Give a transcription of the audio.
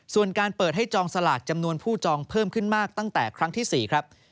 ส่วนการเปิดให้จองสลากจำนวนผู้จองเพิ่มขึ้นมากตั้งแต่ครั้งที่๔ครับ